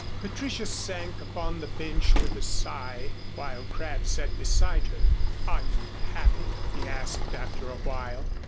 Patricia sank upon the bench with a sigh, while Crabb sat beside her. "Are you happy?" he asked after awhile.